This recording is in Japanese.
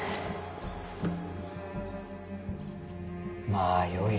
まあよい。